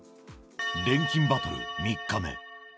錬金バトル３日目。